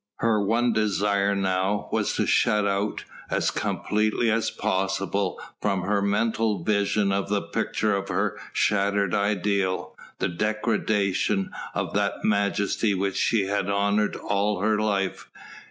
Her one desire now was to shut out, as completely as possible from her mental vision the picture of her shattered ideal, the degradation of that majesty which she had honoured all her life.